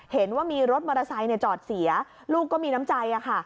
เห็นว่ามีรถมอเตอร์ไซค์จอดเสียลูกก็มีน้ำใจค่ะ